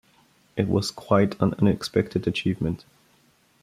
It was quite an unexpected achievement.